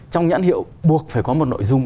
trong nhãn hiệu buộc phải có một nội dung